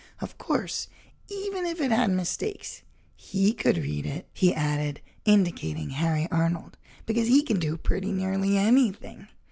Of course, even if it had mistakes, he could read it," he added, indicating Harry Arnold, "because he can do pretty nearly anything.